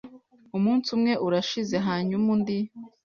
Umunsi umwe urashize. Hanyuma undi.